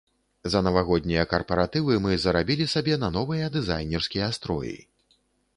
За навагоднія карпаратывы мы зарабілі сабе на новыя дызайнерскія строі.